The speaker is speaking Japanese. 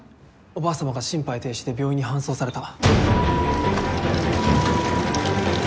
おばあさまが心肺停止で病院に搬送された。